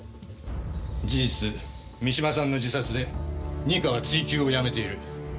事実三島さんの自殺で二課は追求をやめている。